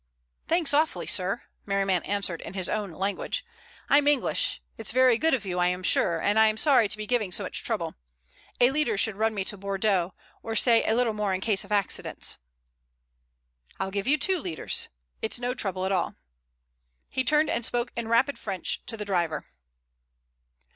"Thanks awfully, sir," Merriman answered in his own language. "I'm English. It's very good of you, I'm sure, and I'm sorry to be giving so much trouble. A liter should run me to Bordeaux, or say a little more in case of accidents." "I'll give you two liters. It's no trouble at all." He turned and spoke in rapid French to the driver.